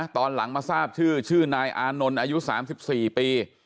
ตอนหลังมาทราบชื่อชื่อนายอานนท์อายุ๓๔ปี